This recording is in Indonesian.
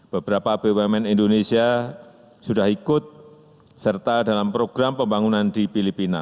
beberapa bumn indonesia sudah ikut serta dalam program pembangunan di filipina